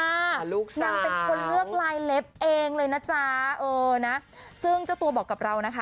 นางเป็นคนเลือกลายเล็บเองเลยนะจ๊ะเออนะซึ่งเจ้าตัวบอกกับเรานะคะ